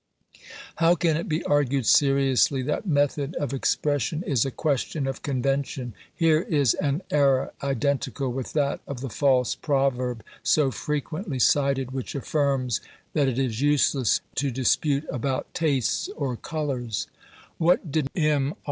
How can it be argued seriously that method of ex pression is a question of convention ? Here is an error identical with that of the false proverb, so frequently cited, which affirms that it is useless to dispute about tastes or colours. What did M.